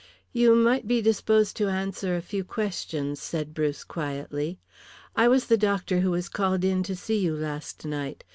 "You might be disposed to answer a few questions," said Bruce, quietly. "I was the doctor who was called in to see you last night.